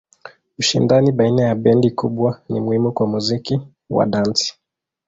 Ushindani baina ya bendi kubwa ni muhimu kwa muziki wa dansi.